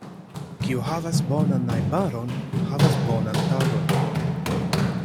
Kiu havas bonan najbaron, havas bonan tagon.